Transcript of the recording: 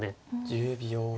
１０秒。